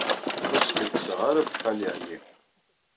Ur skerkseɣ ara ɣef Xali Ɛli.